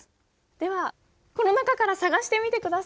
ではこの中から探してみて下さい。